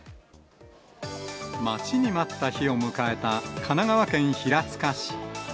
待ちに待った日を迎えた、神奈川県平塚市。